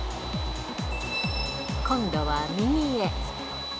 今度は右へ。